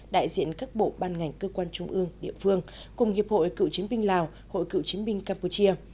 đại diện các bộ ban ngành cơ quan trung ương địa phương cùng hiệp hội cựu chiến binh lào hội cựu chiến binh campuchia